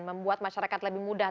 membuat masyarakat lebih mudah